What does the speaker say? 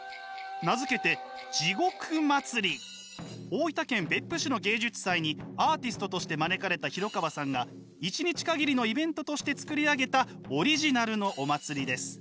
名付けて大分県別府市の芸術祭にアーティストとして招かれた廣川さんが１日限りのイベントとして作り上げたオリジナルのお祭りです。